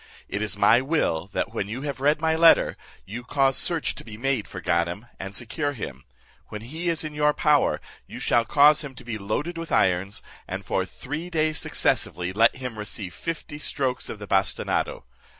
It is my will, that when you have read my letter, you cause search to be made for Ganem, and secure him. When he is in your power, you shall cause him to be loaded with irons, and for three days successively let him receive fifty strokes of the bastinado.